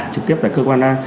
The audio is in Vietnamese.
trực tiếp tại cơ quan an